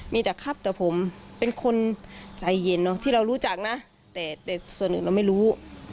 มีแต่ครับแต่ผมเป็นคนใจเย็นเนอะที่เรารู้จักนะแต่ส่วนอื่นเราไม่รู้